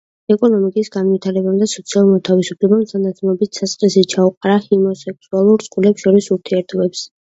ეკონომიკის განვითარებამ და სოციალურმა თავისუფლებამ თანდათანობით საწყისი ჩაუყარა ჰომოსექსუალ წყვილებს შორის ურთიერთობებს.